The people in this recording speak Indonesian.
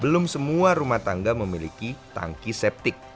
belum semua rumah tangga memiliki tangki septik